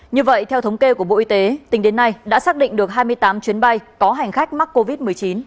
như vậy theo thống kê của bộ y tế tỉnh đến nay đã xác định được hai mươi tám chuyến bay có hành khách mắc covid một mươi chín